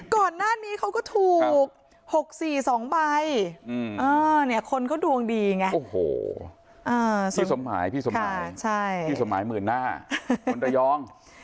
ก่อนหน้านี้เขาก็ถูก๖๔๒ใบคนเขาดวงดีไงพี่สมหาย๑๐๐๐๐๐หน้าคนระยอง